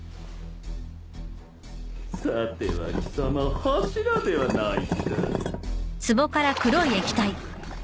さては貴様柱ではないか？